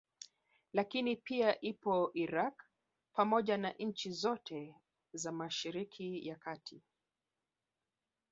Lakini pia ipo Iraq pamoja na nchi zote za Mashariki ya kati